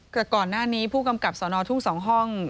แต่ก่อนหน้านี้ผู้กำกับสอนอทุกสองห้อง